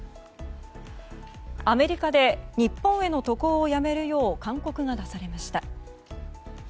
アメリカで日本への渡航をやめるよう勧告が出されました。